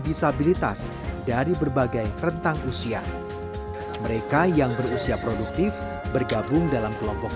disabilitas dari berbagai rentang usia mereka yang berusia produktif bergabung dalam kelompok